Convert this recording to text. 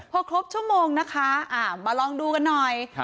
พอครบชั่วโมงนะคะมาลองดูกันหน่อย